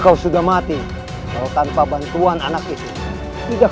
kau menutupi kelemahanmu dengan perkataan bijak